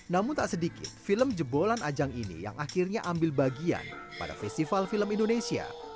namun tak sedikit film jebolan ajang ini yang akhirnya ambil bagian pada festival film indonesia